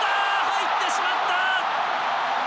入ってしまった！